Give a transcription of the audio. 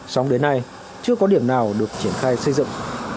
xong đến nay chưa có điểm nào được triển khai xây dựng